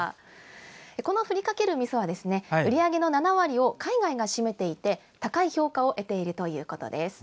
このふりかけるみそは売り上げの７割を海外が占めていて高い評価を得ているということです。